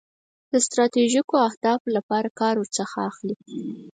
د ستراتیژیکو اهدافو لپاره کار ورڅخه اخلي.